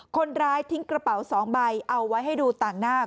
คนร้ายทิ้งกระเป๋า๒ใบเอาไว้ให้ดูต่างหน้า